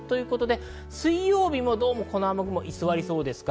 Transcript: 水曜日もどうもこの雨雲は居座りそうです。